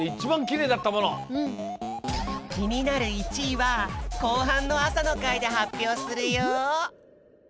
きになる１位は後半の朝の会で発表するよ！